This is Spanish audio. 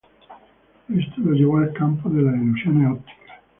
Esto lo llevó al campo de la ilusiones ópticas.